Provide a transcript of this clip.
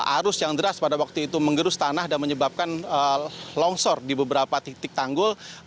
arus yang deras pada waktu itu menggerus tanah dan menyebabkan longsor di beberapa titik tanggul